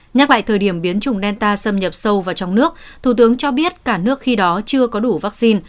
nhắc lại thời điểm biến chủng delta xâm nhập sâu vào trong nước thủ tướng cho biết cả nước khi đó chưa có đủ vaccine